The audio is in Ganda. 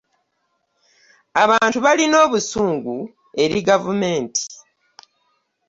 Abantu balina obusungu eri gavumenti.